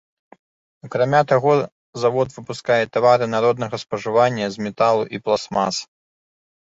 Акрамя таго завод выпускае тавары народнага спажывання з металу і пластмас.